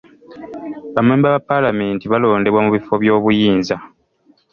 Bammemba ba paalamenti balondebwa mu bifo by'obuyinza.